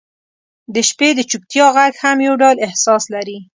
• د شپې د چوپتیا ږغ هم یو ډول احساس لري.